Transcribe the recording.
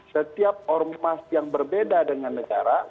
setiap ormas yang berbeda dengan negara